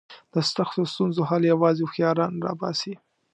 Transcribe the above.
د سختو ستونزو حل یوازې هوښیاران را باسي.